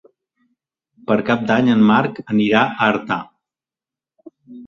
Per Cap d'Any en Marc anirà a Artà.